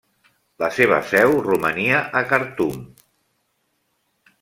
La seva seu romania a Khartum.